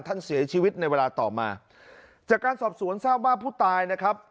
ท่านเสียชีวิตในเวลาต่อมาจากการสอบสวนทราบว่าผู้ตายนะครับ